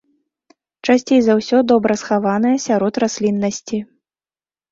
Часцей за ўсё добра схаванае сярод расліннасці.